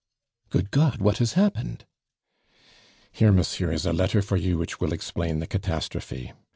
"Good God! what has happened?" "Here, monsieur, is a letter for you which will explain the catastrophe.